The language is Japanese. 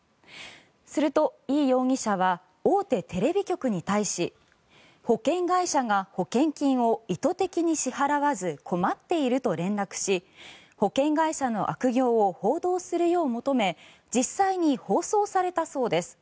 すると、イ容疑者は大手テレビ局に対し保険会社が保険金を意図的に支払わず困っていると連絡し保険会社の悪行を報道するよう求め実際に放送されたそうです。